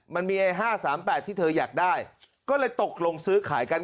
มันมีไอ้๕๓๘ที่เธออยากได้ก็เลยตกลงซื้อขายกัน